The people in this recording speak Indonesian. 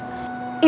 ibu sudah selama ini